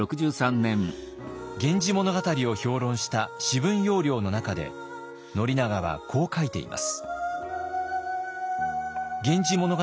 「源氏物語」を評論した「紫文要領」の中で宣長はこう書いています。